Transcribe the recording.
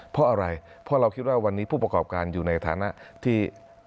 เพราะอะไรเพราะเราคิดว่าวันนี้ผู้ประกอบการอยู่ในฐานะที่